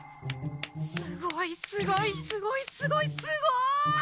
すごいすごいすごいすごいすごい！